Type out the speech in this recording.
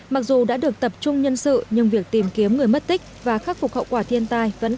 mặc dù đã được tập trung nhân sự nhưng việc tìm kiếm người mất tích và khắc phục hậu quả thiên tai vẫn